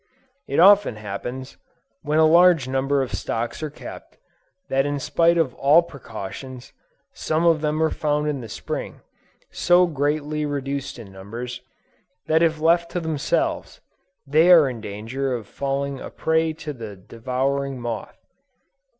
It often happens, when a large number of stocks are kept, that in spite of all precautions, some of them are found in the Spring, so greatly reduced in numbers, that if left to themselves, they are in danger of falling a prey to the devouring moth.